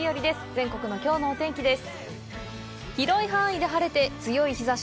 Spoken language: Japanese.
全国のきょうのお天気です。